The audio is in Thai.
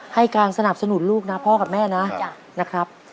ให้การสนับสนุนลูกนะพ่อกับแม่นะนะครับ